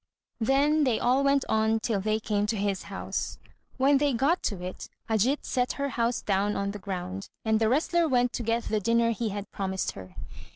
Then they all went on till they came to his house. When they got to it, Ajít set her house down on the ground, and the wrestler went to get the dinner he had promised her.